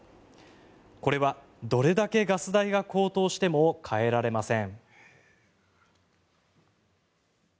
これはどれだけガス代が高騰しても変えられません。